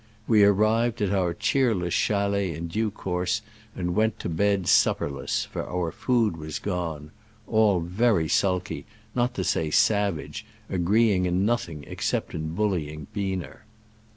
We arrived at our cheerless chalet in due course, and went to bed supper less, for our food was gone — all very sulky, not to say savage, agreeing in nothing except in bullying Biener.